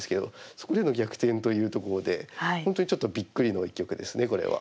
そこでの逆転というところで本当にちょっとびっくりの一局ですねこれは。